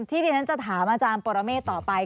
ที่ที่ฉันจะถามอาจารย์ปรเมฆต่อไป